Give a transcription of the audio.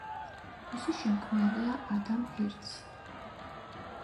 მისი შემქმნელია ადამ ჰერცი.